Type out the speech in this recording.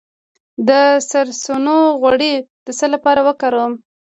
د سرسونو غوړي د څه لپاره وکاروم؟